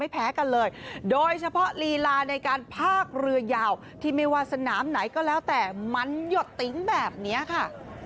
เพราะว่าการปากเรือยาวที่ไม่ว่าสนามไหนก็แล้วแต่มันหยดติ๊งแบบเนี้ยค่ะ